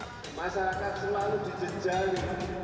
masyarakat selalu dijejari